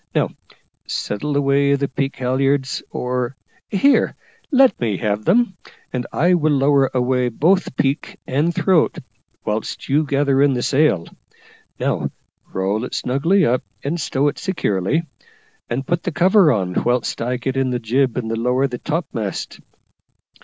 Now settle away the peak halliards, or here, let me have them, and I will lower away both peak and throat, whilst you gather in the sail. Now roll it snugly up, and stow it securely, and put the cover on, whilst I get in the jib and lower the topmast.